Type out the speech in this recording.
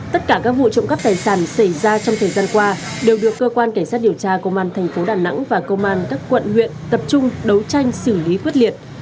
tất cả các vụ trộm cắp tài sản xảy ra trong thời gian qua đều được cơ quan cảnh sát điều tra công an thành phố đà nẵng và công an các quận huyện tập trung đấu tranh xử lý quyết liệt